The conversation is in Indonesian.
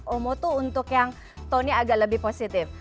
omo tuh untuk yang tonenya agak lebih positif